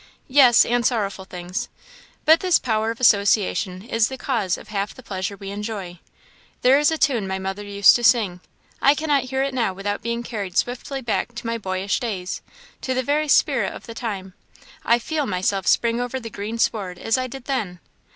"Yes, and sorrowful things. But this power of association is the cause of half the pleasure we enjoy. There is a tune my mother used to sing I cannot hear it now without being carried swiftly back to my boyish days to the very spirit of the time; I feel myself spring over the green sward as I did then."